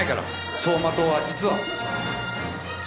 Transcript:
走馬灯は実は。